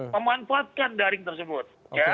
memanfaatkan daring tersebut